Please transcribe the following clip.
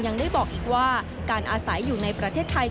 ยังได้บอกอีกว่าการอาศัยอยู่ในประเทศไทย